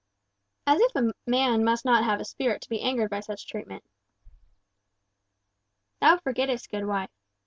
"As if a man must not have a spirit to be angered by such treatment." "Thou forgettest, good wife.